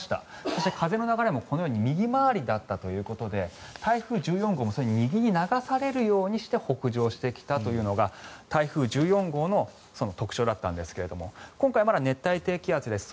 そして、風の流れもこのように右回りだったということで台風１４号も右に流されるようにして北上してきたというのが台風１４号の特徴だったんですが今回、まだ熱帯低気圧です。